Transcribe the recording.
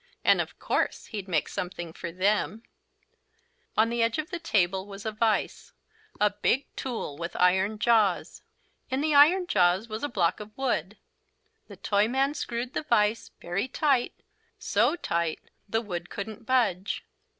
And of course he'd make something for them. On the edge of the table was a vise, a big tool with iron jaws. In the iron jaws was a block of wood. The Toyman screwed the vise very tight so tight the wood couldn't budge.